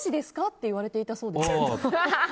って言われていたそうです。